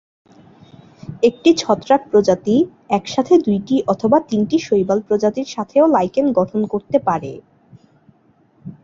একটি ছত্রাক প্রজাতি একসাথে দুইটি অথবা তিনটি শৈবাল প্রজাতির সাথেও লাইকেন গঠন করতে পারে।